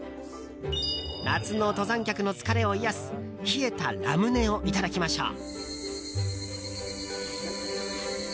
夏の登山客の疲れを癒やす冷えたラムネをいただきましょう。